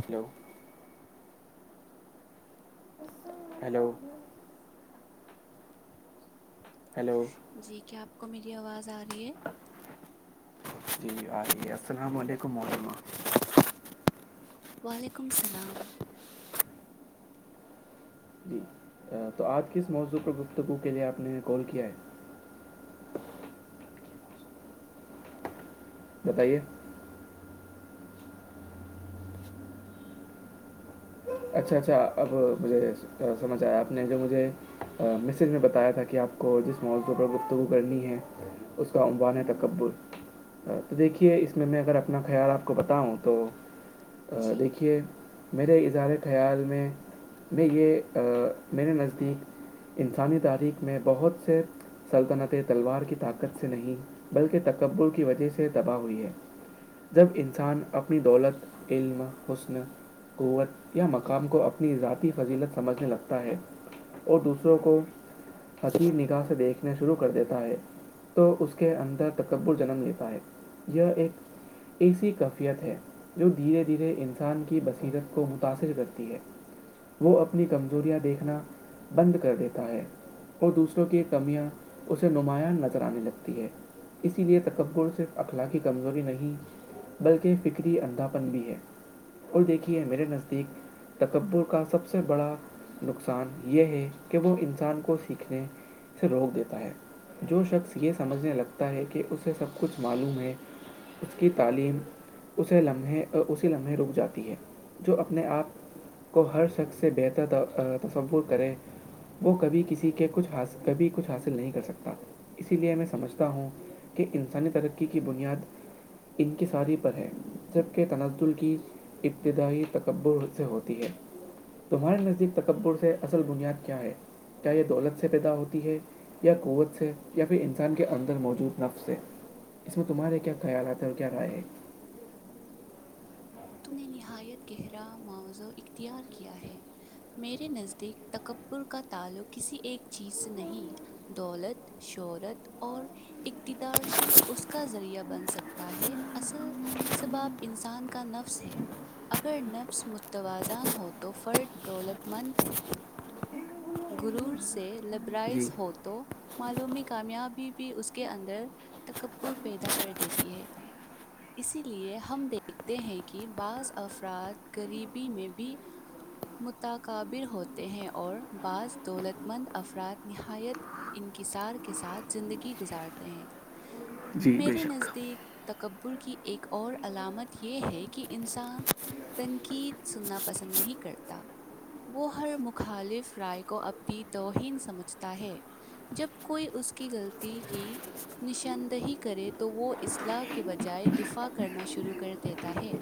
hello hello hello جی کیا آپ کو میری آواز آ رہی ہے جی آ السلام علیکم ومہ [inaudible] وعلیکم السلام جی تو آپ کس موضوع پر گفتگو کے لیے آپ نے کال کیا ہے بتائیے اچھا اچھا اب مجھے سمجھ آیا آپ نے جو مجھے مسج میں بتایا تھا کہ آپ کو جس موضوع پر گفتگو کرنی ہے اس کا امبانے ت کبر [unintelligible] تو دیکھیے اس میں میں اگر اپنا خیال آپ کو بتاؤں تو جی دیکھیے میرے اظارے خیال میں میں یہ میرے نزدیک انسانی تاریخ میں بہت سے سلطنتیں تلوار کی طاقت سے نہیں بلکہ تکبر کی وجہ سے تباہ ہوئی ہیں جب انسان اپنی دولت علم حسن قوت یا مقام کو اپنی ذاتی فضیلت سمجھنے لگتا ہے اور دوسروں کو حق نکاح سے دیکھنا شروع کر دیتا ہے تو اس کے اندر تکبر جنم لیتا ہے یہ ایک ایسی کفیت ہے جو دھیرے دھیرے انسان کی بصیرت کو م [unintelligible] متاثر کرتی ہے وہ اپنی کمزوریاں دیکھنا بند کر دیتا ہے اور دوسروں کی کمیاں اسے نمایاں نظر آنے لگتی ہے اسی لیے تکبر صرف اخلاق کی کمزوری نہیں بلکہ فکری اندھاپن بھی ہے اور دیکھیے میرے نزدیک ایک تکبر کا سب سے بڑا نقصان یہ ہے کہ وہ انسان کو سیکھنے سے روک دیتا ہے جو شخص یہ سمجھنے لگتا ہے کہ اسے سب کچھ معلوم ہے اس کی تعلیم اس لمحے اسی لمحے رک جاتی ہے جو اپنے اپنے آپ کو ہر شخص سے بہتر تصور کریں وہ کبھی کسی کے کچھ حاصل کبھی کچھ حاصل نہیں کر سکتا اسی لیے میں سمجھتا ہوں کہ انسانی ترقی کی بنیاد ان کی ساری پر ہیں جبکہ تنازل کی ابتدائی تکبر سے ہوتی ہے تمہارے نزدیک تکبر سے اصل بنیاد کیا ہے کیا یہ دولت سے پیدا ہوتی ہے یا قوت سے یا پھر انسان کے اندر موجود نف سے اس میں تمہارے کیا خیال آتے ہے اور کیا رائے ہے تو نے نہایت گہرا معاوضع اختیار کیا ہے میرے نزدیک تکبر کا تعلق کسی ایک چیز سے نہیں دولت شہرت اور اقتدار صرف اس کا ذریعہ بن سکتا ہے اصل سباب انسان کا نف ہے اگر نفس متوازن ہو تو فرد دولت مند گرور سے جی لبرائش ہو تو معلومی کامیابی بھی اس کے اندر تکپور پیدا کر دیتی ہے اسی لیے ہم دیکھتے ہیں کہ بعض افراد غریبی میں بھی متقابر ہوتے ہیں اور بعض دولت مند افراد نہایت ان کی سار کے ساتھ زندگی گزارتے ہیں جی بے میرے شک نزدیک تکبر کی ایک اور علامت یہ ہے کہ انسان تنقید سننا پسند نہیں کرتا وہ ہر مخالف رائے کو اپنی توہین سمجھتا ہے جب کوئی اس کی غلطی کی نشاندہی کرے تو وہ اصلاح کے بجائے دفاع کرنا شروع کر دیتا ہے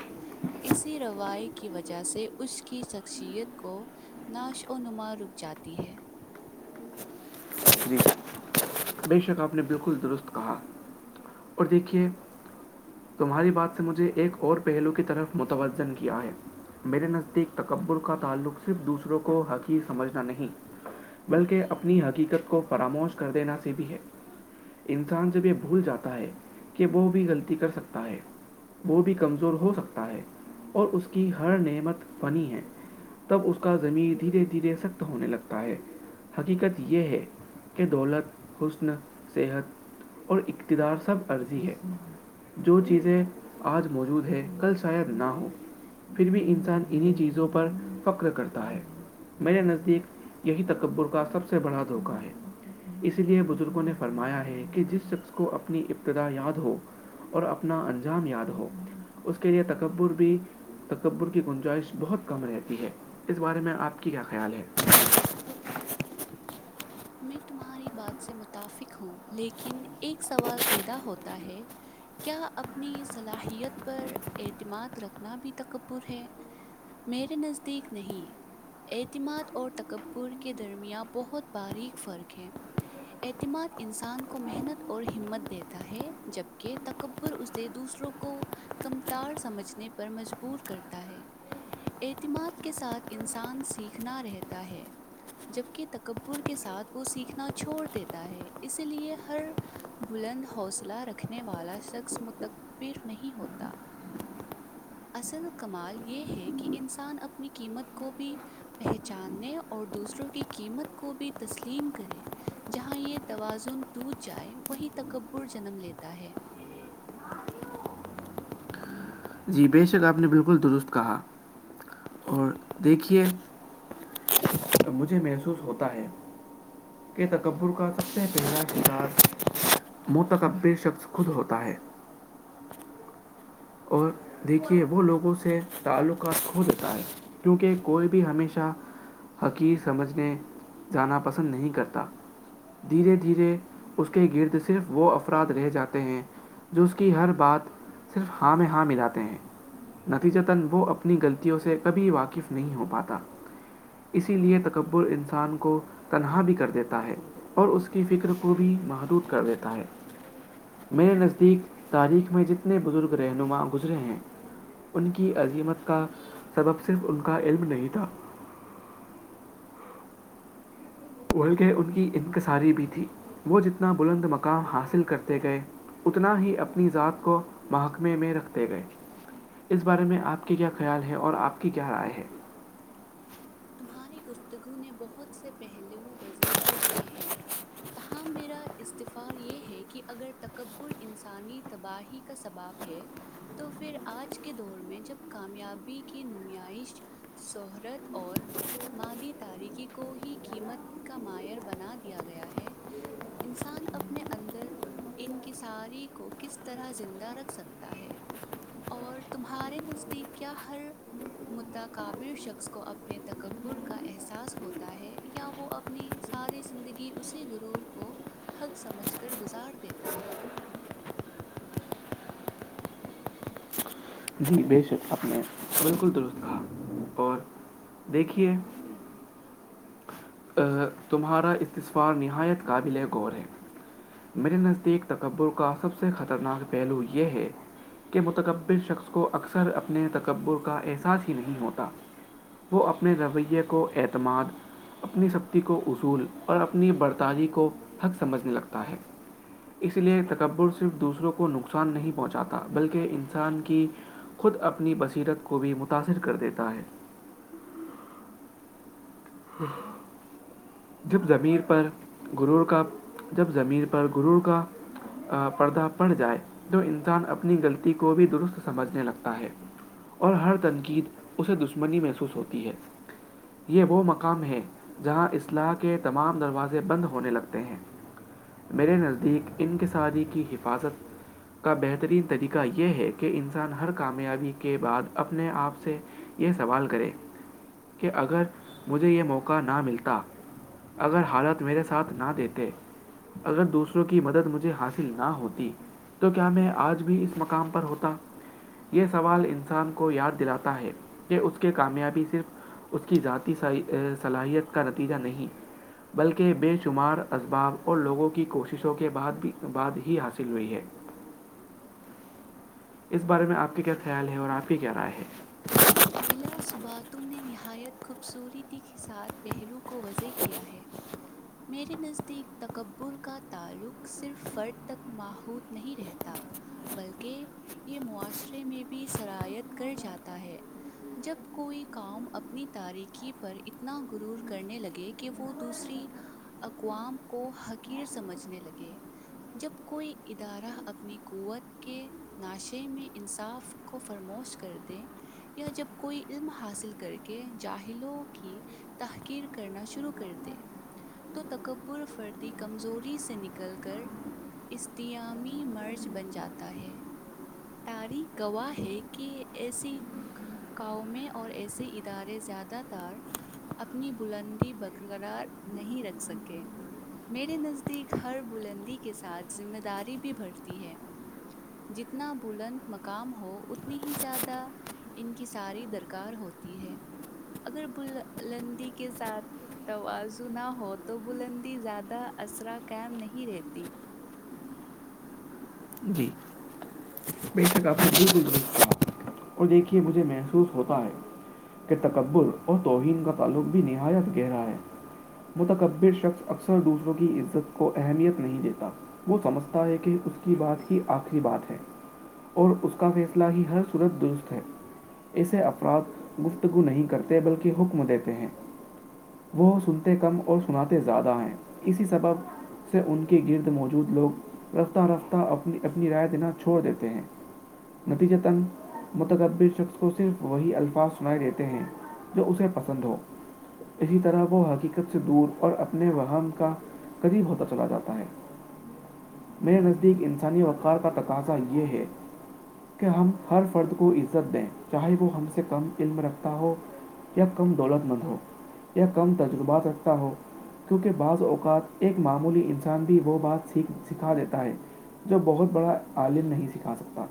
اسی روای کی وجہ سے اس کی شخصیت کو نعش و نما رک جاتی ہے جی بے شک آپ نے بالکل درست کہا اور دیکھیے تمہاری بات سے مجھے ایک اور پہلو کی طرف متوجن کیا ہے میرے نزدیک تکبر کا تعلق صرف دوسروں کو حقی سمجھنا نہیں بلکہ اپنی حقیقت کو فاموش کر دینا سے بھی ہے انسان سےب یہ بھول جاتا ہے کہ وہ بھی غلطی کر سکتا ہے وہ بھی کمزور ہو سکتا ہے اور اس کی ہر نعمت بنی ہے تب اس کا زمین دھیرے دھیرے سخت ہونے لگتا ہے حقیقت یہ ہے کہ دولت حسن صحت اور اقتدار سب عرضی ہے جو چیزیں آج موجود ہے کل شاید نہ ہوں پھر بھی انسان انہیں چیزوں پر فخر کرتا ہے میرے نزدیک یہی تکبر کا سب سے بڑا دھوکہ ہے اس لیے بزرگوں نے فرمایا ہے کہ جس شخص کو اپنی ابتدا یاد ہو اور اپنا انجام یاد ہو اس کے لیے تکبر بھی تکبر کی گنجائش بہت کم رہتی ہے اس بارے میں آپ کی کیا خیال ہے میں تمہاری بات سے متفق ہوں لیکن ایک سوال پیدا ہوتا ہے کیا اپنی صلاحیت پر اعتماد رکھنا بھی تکبر ہے میرے نزدیک نہیں اعتماد اور تکبر کے درمیاان بہت باریک فرق ہے اعتماد انسان کو محنت اور ہمت دیتا ہے جبکہ تکبر اسے دوسروں کو کمتار سمجھنے پر مجبور کرتا ہے اعتماد کے ساتھ انسان سیکھنا رہتا ہے جبکہ تکب پ کے ساتھ وہ سیکھنا چھوڑ دیتا ہے اسی لیے ہر بلند حوصلہ رکھنے والا شخص متبر نہیں ہوتا اصل کمال یہ ہے کہ انسان اپنی قیمت کو بھی پہچاننے اور دوسروں کی قیمت کو بھی تسلیم کرے جہاں یہ توازن دج جائے وہی تکبر جنم لیتا ہے جی بے شک آپ نے بالکل درست کہا اور دیکھیے تو مجھے محسوس ہوتا ہے کہ تکبر کر سکتے ہیں پہلا کردار منہتک بے شخص خود ہوتا ہے اور دیکھیے وہ لوگوں سے تعلقات کھو دیتا ہے کیونکہ کوئی بھی ہمیشہ حقیق سمجھنے جانا پسند نہیں کرتا دھیرے دھیرے اس کے گرد صرف وہ اف اراد رہ جاتے ہیں جو اس کی ہر بات صرف ہاں میں ہاں ملااتے ہیں نتیجاتن وہ اپنی غلطیوں سے کبھی واقف نہیں ہو پاتا اسی لیے تکبر انسان کو تنہا بھی کر دیتا ہے اور اس کی فکر کو بھی محدود کر دیتا ہے میرے نزدیک تاریخ میں جتنے بزرگ رہنما گزر ہیں ان کی عظیمت کا سبب صرف ان کا علم نہیں تھا وہلک ان کی انکصاری بھی تھی وہ جتنا بلند مقام حاصل کرتے گئے اتنا ہی اپنی ذات کو محکمے میں رکھتے گئے [inaudible] اس بارے میں آپ کے کیا خیال ہے اور آپ کی کیا رائے ہے تمہاری گفتگو نے بہت سے پہلو وہ وضع کر دیے ہیں تاہم میرا استفا یہ ہے کہ اگر تکبر انسانی تباہی کا سباب ہے تو پھر آج کے دور میں جب کامیابی کی نمائش شہرت اور مادی تاریکی کو ہی قیمت کا مایر بنا دیا گیا ہے انسان اپنے اندر ان کی ساری کو کس طرح زندہ رکھ سکتا ہے اور تمہارے نزدیک کیا ہر مددا قابل شخص کو اپ اپنے تکبر کا احساس ہوتا ہے یا وہ اپنی ساری زندگی اسی غرور کو حق سمجھ کر گزار دیتا ہے جی بے شک اپ نے بالکل درست کہا اور دیکھیے ا تمہارا استصفار نہایت قابل غور ہے میرے نزدیک تکبر کا سب سے خطرناک پہلو یہ ہے کہ متقبر شخص کو اکثر اپنے تکبر کا احساس ہی نہیں ہوتا وہ اپنے ریےیہ کو اعتماد اپنی سختی کو اصول اور اپنی برطاری کو حق سمجھنے لگتا ہے اس لیے تکبر صرف دوسروں کو نقصان نہیں پہنچاتا بلکہ انسان کی خود اپنی بصیرت کو بھی متاثر کر دیتا ہے [inaudible] جب ضمیر پر غرور کا جب ضمیر پر غرور کا ا پردہ پڑ جائے جو انسان اپنی غلطی کو بھی درست سمجھنے لگتا ہے اور ہر تنقید اسے دشمنی محسوس ہوتی ہے یہ وہ مک کم ہے جہاں اصلاح کے تمام دروازے بند ہونے لگتے ہیں میرے نزدیک انقصادی کی حفاظت کا بہترین طریقہ یہ ہے کہ انسان ہر کامیابی کے بعد اپنے آپ سے یہ سوال کرے کہ اگر مجھے یہ موقع نہ ملتا اگر حالت میرے ساتھ نہ دیتے اگر دوسروں کی مدد مجھے حاصل نہ ہوتی تو کیا میں آج بھی اس مقام پر ہوتا یہ سوال انسان کو یاد دلاتا ہے کہ اس کی کامیابی صرف اس کی ذات صحیح ا صلاحیت کا نتیجہ نہیں بلکہ بے شمار اسباب اور لوگوں کی کوششوں کے بعد ہی حاصل ہوئی ہے اس بارے میں آپ کے کیا خیال ہے اور آپ کی کیا رائے ہے بلا سباتم نے نہایت خوبصورتی کے ساتھ پہلو کو وضح کیا ہے میرے نزدیک تکبر کا تعلق صرف فرد تک ماہوت نہیں رہتا بلکہ یہ معاشرے میں بھی شرائیت کر جاتا ہے جب کوئی کام اپنی تاریکی پر اتنا رور کرنے لگے کہ وہ دوسری اقوام کو حقیر سمجھنے لگے جب کوئی ادارہ اپنی قوت کے ناشے میں انصاف کو فرموش کر دے یا جب کوئی علم حاصل کر کے جاہلوں کی تحقیر کرنا شروع کر دے تو تکبر فردی کمزوری سے نکل کر استیامیی مرچ بن جاتا ہے تاریک گواہ ہے کہ ایسی قؤومیں اور ایسے ادارے زیادہ تر اپنی بلندی برقرار نہیں رکھ سکے میرے نزدیک ہر بلندی کے ساتھ ذمہ داری بھی بڑھتی ہے اتنا بلند مقام ہو اتنی ہی زیادہ ان کی ساری درکار ہوتی ہے اگر بللندی کے ساتھ تواضو نہ ہو تو بلندی زیادہ اصرا قائم نہیں رہتی جی بے شک آپ اور دیکھیے مجھے محسوس ہوتا ہے کے تکبر اور توہین کا تعلق بھی نہایت گہرا ہے متکبر شخص اکثر دوسروں کی عزت کو اہمیت نہیں دیتا وہ سمجھتا ہے کہ اس کی بات ہی آخری بات ہے اور اس کا فیصلہ ہی ہر صورت درست ہے ایسے افراد گفتگو نہیں کرتے بلکہ حکم دیتے ہیں وہ سنتے کم اور سناتے زیادہ ہیں اسی سبب سے ان کے گرد موجود لوگ رفتہ رفتہ اپنی اپنی رائے دینا چھوڑ دیتے ہیں نتیج تن متقبر شخص کو صرف وہی الفاظ سنائے دیتے ہیں جو اسے پسند ہو اسی طرح وہ حقیقت سے دور اور اپنے وہم کا قریب ہوتا چلا جاتا ہے میرے نظر ایک انسانی وقار کا تقاضا یہ ہے کہ ہم ہر فرد کو عزت دیں چاہے وہ ہم سے کم علم رکھتا ہو کم دولت مند ہو کم تجربات رکھتا ہو کیونکہ بعض اوقات ایک معمولی انسان بھی وہ بات س سکھا دیتا ہے جو بہت بڑا عالم نہیں سکھا سکتا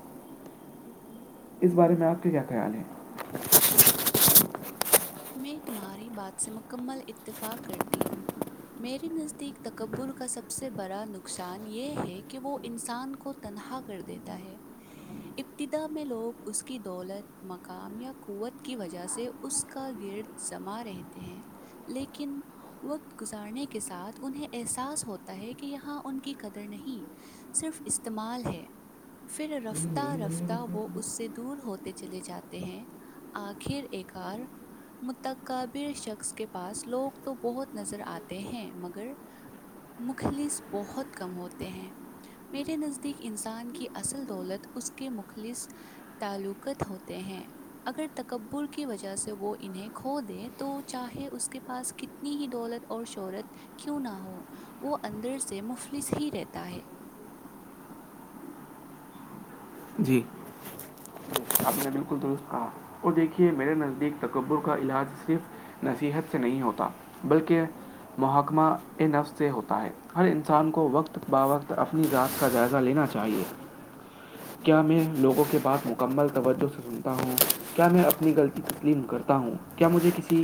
اس بارے میں آپ کے کیا خیال ہیں میں تمہاری بات سے مکمل اتفاق کرتی ہوں میرے نزدیک تکبر کا سب سے بڑا نقصان یہ ہے کہ وہ انسان کو تنہا کر دیتا ہے ابتدا میں لوگ اس کی دولت مقام یا قوت کی وجہ سے اس کا گرد جما رہتے ہیں لیکن وقت گزارنے کے ساتھ انہیں احساس ہوتا ہے کہ یہاں ان کی قدر نہیں صرف استعمال ہے پھر رفتہ رفتہ وہ اس سے دور ہوتے چلے جاتے ہیں آخر ایکار متقابر شخص کے پاس لوگ تو بہت نظر آتے ہیں مگر مخلص بہت کم ہوتے ہیں میرے نزدیک انسان کی اصل دولت اس کے مخلص تعلقات ہوتے ہیں اگر تکبر کی وجہ سے جب وہ انہیں کھو دے تو چاہے اس کے پاس کتنی ہی دولت اور شہرت کیوں نہ ہو وہ اندر سے مفلس ہی رہتا ہے جی آپ نے بالکل درست کہا اور دیکھیے میرے نزدیک تکبر کا علاج صرف نصیحت سے نہیں ہوتا بلکہ محکمہ نفس سے ہوتا ہے ہر انسان کو وقت بہ وقت اپنی ذات کا جائزہ لینا چاہیے کیا میں لوگوں کے بات مکمل توجہ سے سنتا ہوں کیا میں اپنی غلطی تسلیم کرتا ہوں کیا مجھے کسی